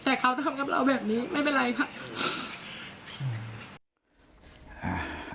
เอาเป็นว่าฝั่งกำนันธนกรเธอบอกว่าเธอก็ถูกทำร้ายเหมือนกัน